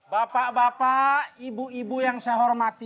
bapak bapak ibu ibu yang saya hormati